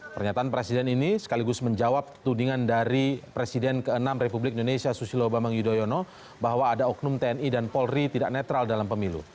pernyataan presiden ini sekaligus menjawab tudingan dari presiden ke enam republik indonesia susilo bambang yudhoyono bahwa ada oknum tni dan polri tidak netral dalam pemilu